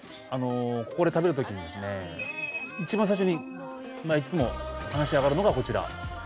ここで食べる時にですね一番最初にいつも話があがるのがこちら。